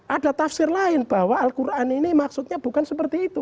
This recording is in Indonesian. ada tafsir lain bahwa al quran ini maksudnya bukan seperti itu